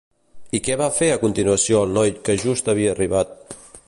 I què va fer a continuació el noi que just havia arribat?